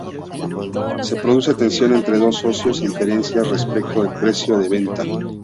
Se produce tensión entre los socios y diferencias respecto del precio de venta.